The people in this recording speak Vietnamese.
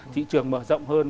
thị trường mở rộng hơn